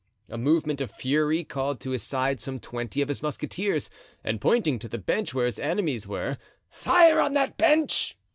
A movement of fury called to his side some twenty of his musketeers, and pointing to the bench where his enemies were: "Fire on that bench!"